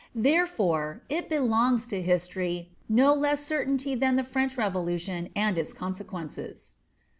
Therefore it belongs to history no less certainty than the French Revolution and its consequences."